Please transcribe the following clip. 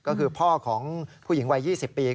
ก็คือพ่อของผู้หญิงวัย๒๐ปี